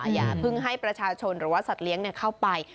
อย่าเพิ่งให้ประชาชนหรือว่าสัตว์เลี้ยงเข้าไป